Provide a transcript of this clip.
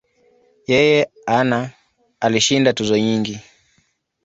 Yeye ana alishinda tuzo nyingi.